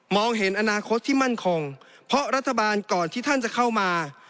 เห็นอนาคตที่มั่นคงเพราะรัฐบาลก่อนที่ท่านจะเข้ามา